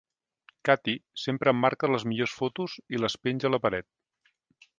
Katie sempre emmarca les millors fotos i les penja a la paret.